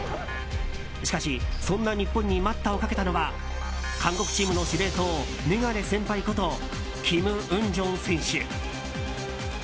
しかしそんな日本に待ったをかけたのが韓国チームのメガネ先輩ことキム・ウンジョン選手。